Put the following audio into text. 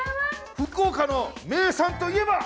福岡の名産といえば？